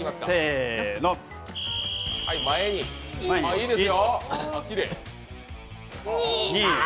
いいですよ。